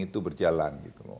itu berjalan gitu loh